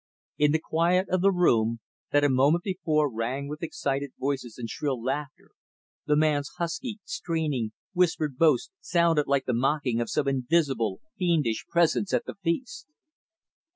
In the quiet of the room, that a moment before rang with excited voices and shrill laughter, the man's husky, straining, whispered boast sounded like the mocking of some invisible, fiendish presence at the feast.